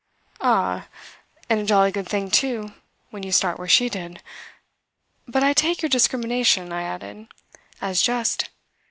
"Ah, and a jolly good thing too, when you start where she did. But I take your discrimination," I added, "as just.